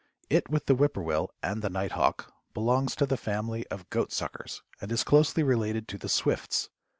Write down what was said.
It, with the whip poor will and the night hawk, belongs to the family of goatsuckers and is closely related to the swifts.